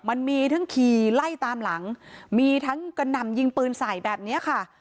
มันมีทั้งขี่ไล่ตามหลังมีทั้งกระหน่ำยิงปืนใส่แบบนี้ค่ะ